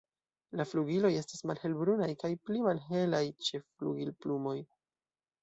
La flugiloj estas malhelbrunaj kaj pli malhelaj ĉe flugilplumoj.